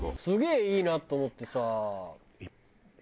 すげえいいなと思ってさ。